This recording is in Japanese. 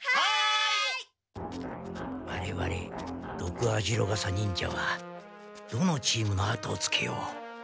ワレワレドクアジロガサ忍者はどのチームのあとをつけよう？